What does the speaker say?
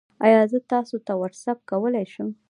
ایا زه تاسو ته واټساپ کولی شم؟